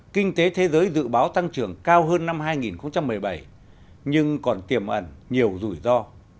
kinh tế thế giới dự báo tăng trưởng cao hơn năm hai nghìn một mươi bảy nhưng còn tiềm ẩn nhiều rủi ro